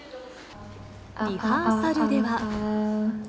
リハーサルでは。